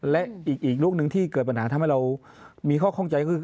และอีกลูกหนึ่งที่เกิดปัญหาทำให้เรามีข้อข้องใจก็คือ